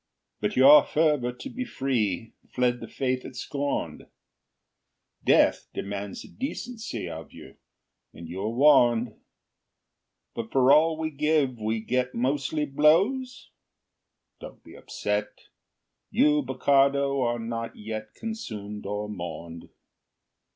But your fervor to be free Fled the faith it scorned; Death demands a decency Of you, and you are warned. But for all we give we get Mostly blows? Don't be upset; You, Bokardo, are not yet Consumed or mourned.